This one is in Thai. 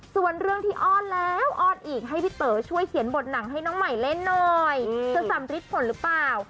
ส่วนเรื่องที่อ้อนแล้วอ้อนอีกให้พี่เต๋อช่วยเขียนบทหนังให้น้องใหม่เล่นหน่อยจะสำริดผลหรือเปล่า